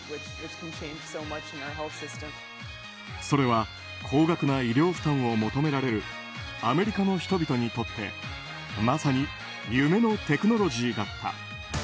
それは高額な医療負担を求められるアメリカの人々にとってまさに夢のテクノロジーだった。